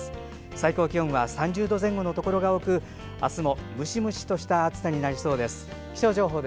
最高気温は３０度前後のところが多く明日もムシムシとした暑さになりそうです。